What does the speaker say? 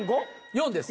４です。